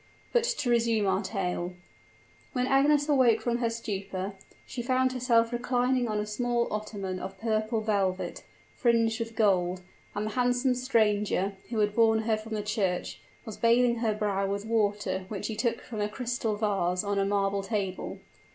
But to resume our tale. When Agnes awoke from her stupor, she found herself reclining on a soft ottoman of purple velvet, fringed with gold; and the handsome stranger, who had borne her from the church, was bathing her brow with water which he took from a crystal vase on a marble table.